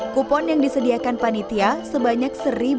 kupon yang disediakan panitia sebanyak satu lima ratus